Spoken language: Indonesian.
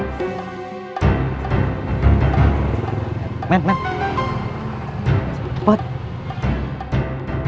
jadi itu kita langsung menggantikan pilihan hidup orang lain